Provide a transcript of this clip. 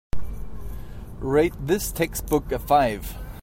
Rate this textbook a five